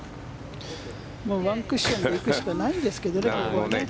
ワンクッションで行くしかないんですけどね、ここはね。